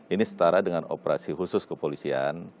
ini setara dengan operasi khusus kepolisian